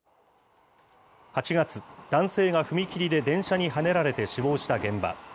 ８月、男性が踏切で電車にはねられて死亡した現場。